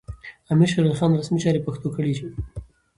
امیر شېرعلي خان رسمي چارې په پښتو کړې وې.